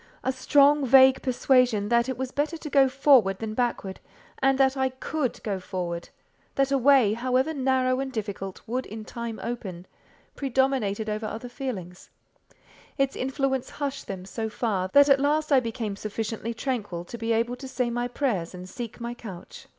A strong, vague persuasion that it was better to go forward than backward, and that I could go forward—that a way, however narrow and difficult, would in time open—predominated over other feelings: its influence hushed them so far, that at last I became sufficiently tranquil to be able to say my prayers and seek my couch.